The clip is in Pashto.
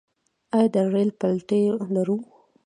آیا د ریل پټلۍ لرو؟